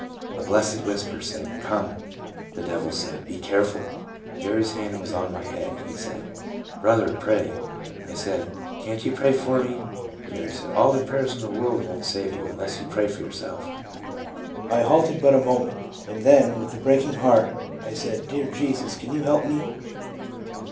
A blessed whisper said, ' Come!' The devil said, ' Be careful!' Jerry's hand was on my head. He said, 'Brother, pray.' I said, ' Can't you pray for me?' Jerry said, ' All the prayers in the world won't save you unless you pray for yourself.' I baited but a moment, and then, with a breaking heart, I said :' Dear Jesus, can you help me?'